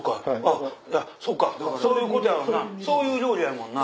あっそっかそういうことやわなそういう料理やもんな。